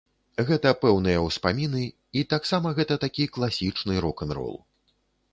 Гэта пэўныя ўспаміны і таксама гэта такі класічны рок-н-рол.